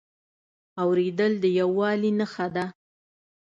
اورېدل د یووالي نښه ده.